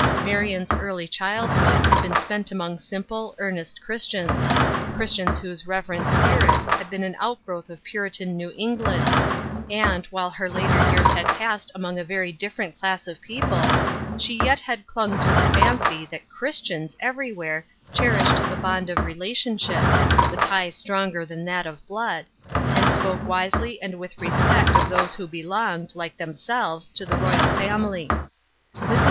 Marion's early childhood had been spent among simple, earnest Christians — Christians whose reverent spirit had been an outgrowth of Puritan New England ; and, while her later years had passed among a very different class of people, she yet had clung to the fancy that Christians every where cherished the bond of relationship — the tie stronger than that of blood — and spoke wisely and with respect of those who belonged, like themselves, to the royal family. Mrs.